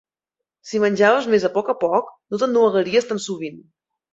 Si menjaves més a poc a poc, no t'ennuegaries tan sovint.